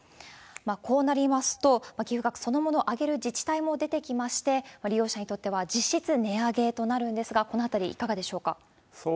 こうなりますと、寄付額そのものを上げる自治体も出てきまして、利用者にとっては実質値上げとなるんですが、このあたり、いかがでしょうか。